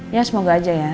ya semoga aja ya